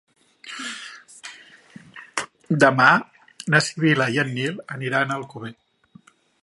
Demà na Sibil·la i en Nil aniran a Alcover.